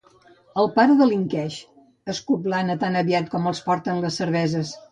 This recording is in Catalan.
El pare delinqueix —escup l'Anna tan aviat els porten les cerveses.